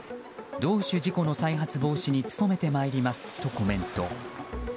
同種事故の再発防止に努めてまいりますとコメント。